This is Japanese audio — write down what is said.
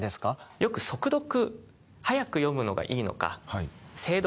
よく速読速く読むのがいいのか精読